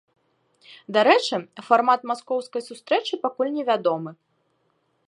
Дарэчы, фармат маскоўскай сустрэчы пакуль невядомы.